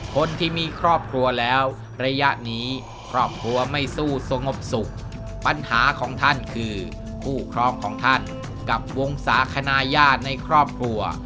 คนที่มีครอบครัวแล้วระยะนี้ครอบครัวไม่สู้สงบสุขปัญหาของท่านคือคู่ครองของท่านกับวงศาคณะญาติในครอบครัว